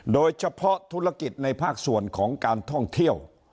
โดยเฉพาะธุรกิจในภาคส่วนของการท่องเที่ยว